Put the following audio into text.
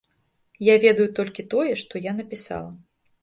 Я ведаю толькі тое, што я напісала.